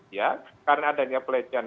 ya karena adanya pelecehan